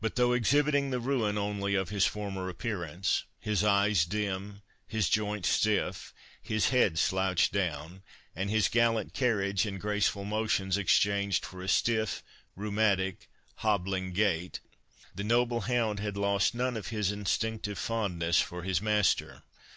But though exhibiting the ruin only of his former appearance, his eyes dim, his joints stiff, his head slouched down, and his gallant carriage and graceful motions exchanged for a stiff, rheumatic, hobbling gait, the noble hound had lost none of his instinctive fondness for his master.